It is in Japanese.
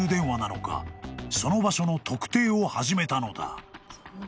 ［その場所の特定を始めたのだ］